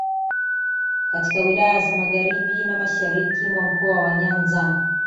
katika wilaya za magharibi na mashariki mwa Mkoa wa Nyanza